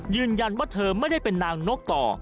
ยืนยันว่าเธอไม่ได้เป็นนางนกต่อ